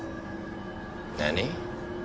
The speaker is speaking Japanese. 何？